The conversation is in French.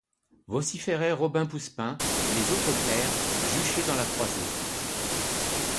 Vociféraient Robin Poussepain et les autres clercs juchés dans la croisée.